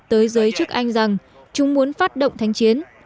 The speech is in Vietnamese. tới giới chức anh rằng chúng muốn phát động thánh chiến